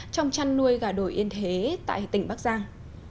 trong chăn nuôi gà đổi yên thế tại tỉnh bắc giang